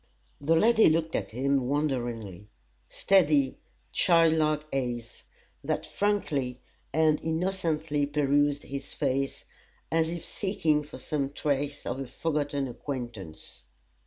The lady looked at him wonderingly steady, child like eyes, that frankly and innocently perused his face, as if seeking for some trace of a forgotten acquaintance.